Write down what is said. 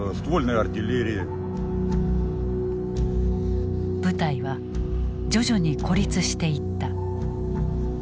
部隊は徐々に孤立していった。